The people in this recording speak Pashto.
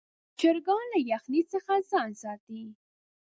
چرګان له یخنۍ څخه ځان ساتي.